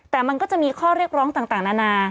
แต่มันก็จะมีข้อเรียกร้องต่างนานา